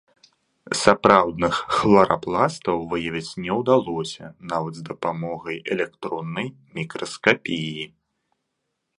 Сапраўдных хларапластаў выявіць не ўдалося нават з дапамогай электроннай мікраскапіі.